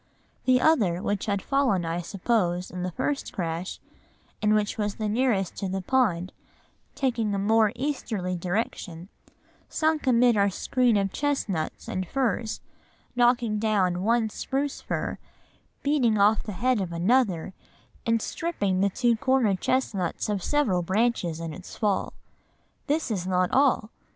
The other, which had fallen, I suppose, in the first crash, and which was the nearest to the pond, taking a more easterly direction, sunk amid our screen of chestnuts and firs, knocking down one spruce fir, beating off the head of another, and stripping the two corner chestnuts of several branches in its fall. This is not all.